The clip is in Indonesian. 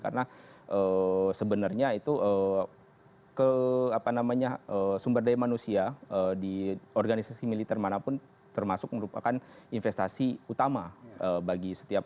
karena sebenarnya itu ke apa namanya sumber daya manusia di organisasi militer manapun termasuk merupakan investasi utama bagi setiap